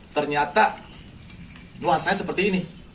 ternyata nuasanya seperti ini